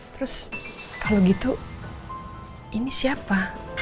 terus kalau gitu ini siapa